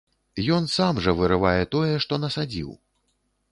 Ён сам жа вырывае тое, што насадзіў.